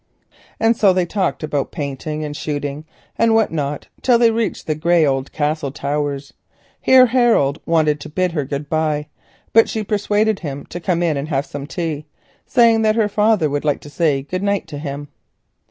And so they talked about painting and shooting and what not, till they reached the grey old Castle towers. Here Harold wanted to bid her good bye, but she persuaded him to come in and have some tea, saying that her father would like to say good night to him.